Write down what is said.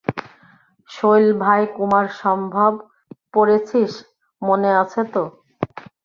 শৈল ভাই, কুমারসম্ভব পড়েছিস, মনে আছে তো?